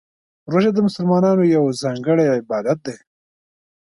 روژه د مسلمانانو یو ځانګړی عبادت دی.